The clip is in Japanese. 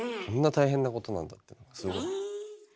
こんな大変なことなんだってすごい。